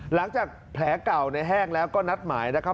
หลังจากแผลเก่าในแห้งแล้วก็นัดหมายนะครับ